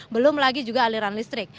belum lagi juga aliran listrik